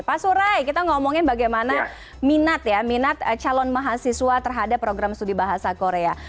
pak surai kita ngomongin bagaimana minat calon mahasiswa terhadap program sudibahasa korea